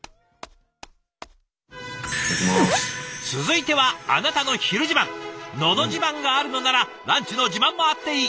続いては「のど自慢」があるのならランチの自慢もあっていい！